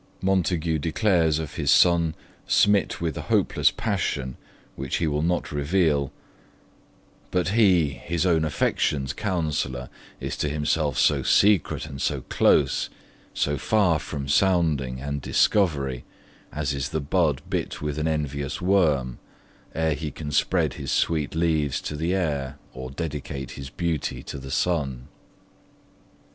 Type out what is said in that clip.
Montague declares of his son smit with a hopeless passion, which he will not reveal: But he, his own affection's counsellor, Is to himself so secret and so close, So far from sounding and discovery, As is the bud bit with an envious worm, Ere he can spread his sweet leaves to the air, Or dedicate his beauty to the sun.